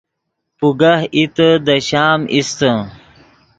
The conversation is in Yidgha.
پوگہ ایتے دے شام ایستے